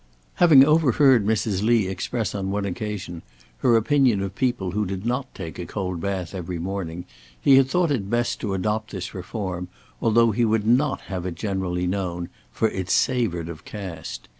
Having overheard Mrs. Lee express on one occasion her opinion of people who did not take a cold bath every morning, he had thought it best to adopt this reform, although he would not have had it generally known, tot it savoured of caste.